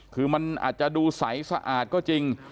คือมันอาจจะดูใสสะอาดก็จริง